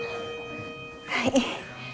はい。